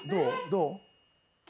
どう？